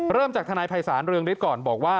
เริ่มจากทนายภัยศาลเรืองฤทธิ์ก่อนบอกว่า